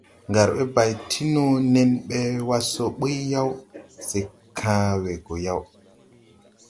Ngar ɓɛ bay ti no nen ɓɛ wa so buy yaw, se kãã we gɔ yaw.